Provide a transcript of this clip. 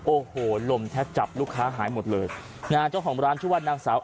โอ้โหลมแทบจับลูกค้าหายหมดเลยนะฮะเจ้าของร้านชื่อว่านางสาว